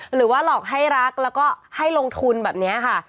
หรือว่าหลอกให้รักแล้วก็ให้ลงทุนแบบนี้ค่ะ